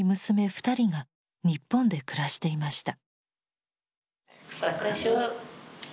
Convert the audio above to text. ２人が日本で暮らしていました。